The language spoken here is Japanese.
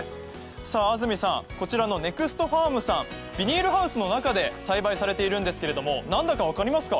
安住さん、こちらのネクストファームさん、ビニールハウスの中で栽培されているんですけどなんだか分かりますか？